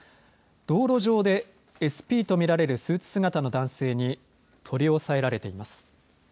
道路上でＳＰと見られるスーツ姿の男性に取り押さえられています。